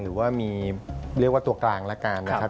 หรือว่ามีเรียกว่าตัวกลางแล้วกันนะครับ